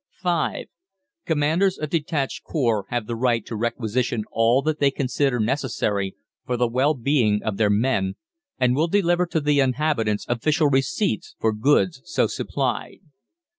(5) COMMANDERS OF DETACHED corps have the right to requisition all that they consider necessary for the well being of their men, and will deliver to the inhabitants official receipts for goods so supplied.